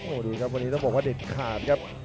โอ้โหดูครับวันนี้ต้องบอกว่าเด็ดขาดครับ